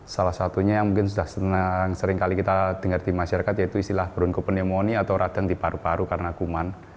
salah satunya yang mungkin sudah senang seringkali kita dengar di masyarakat yaitu istilah broncopneumonia atau raden di paru paru karena kuman